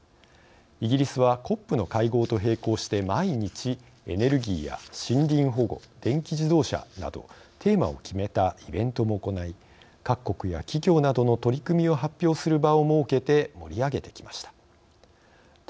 イギリスはＣＯＰの会合と並行して毎日エネルギーや森林保護電気自動車などテーマを決めたイベントも行い各国や企業などの取り組みを発表する場を設けて盛り上げてきました。